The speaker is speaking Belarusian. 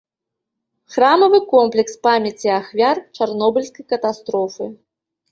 Храмавы комплекс памяці ахвяр чарнобыльскай катастрофы.